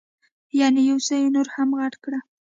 یعنې یو څه یې نور هم غټ کړه.